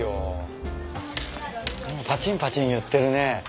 パチンパチンいってるね。